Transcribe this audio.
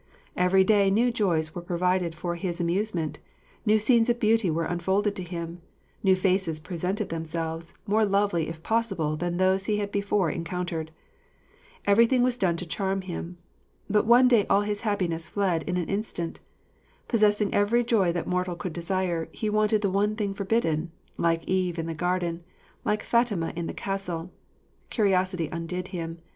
Each day new joys were provided for his amusement, new scenes of beauty were unfolded to him, new faces presented themselves, more lovely if possible than those he had before encountered. Everything was done to charm him; but one day all his happiness fled in an instant. Possessing every joy that mortal could desire, he wanted the one thing forbidden like Eve in the garden, like Fatima in the castle; curiosity undid him.